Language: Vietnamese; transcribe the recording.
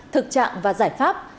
thực trạng và giải pháp